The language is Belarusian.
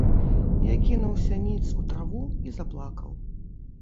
Я кінуўся ніц у траву і заплакаў.